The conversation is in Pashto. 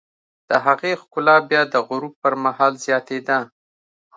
د هغې ښکلا بیا د غروب پر مهال زیاتېده.